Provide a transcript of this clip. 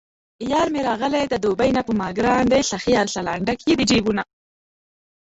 یارمې راغلی د دوبۍ نه په ماګران دی سخي ارسلان، ډک یې د جېبونه